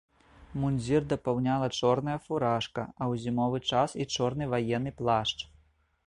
Мундзір дапаўняла чорная фуражка, а ў зімовы час і чорны ваенны плашч.